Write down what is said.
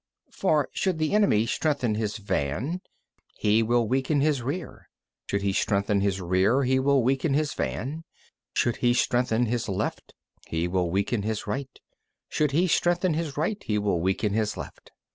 17. For should the enemy strengthen his van, he will weaken his rear; should he strengthen his rear, he will weaken his van; should he strengthen his left, he will weaken his right; should he strengthen his right, he will weaken his left.